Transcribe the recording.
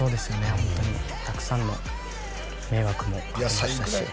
ホントにたくさんの迷惑もかけましたし野菜ぐらい